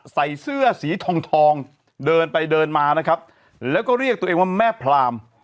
ใส่เสื้อสีทองทองเดินไปเดินมานะครับแล้วก็เรียกตัวเองว่าแม่พราม